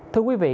thưa quý vị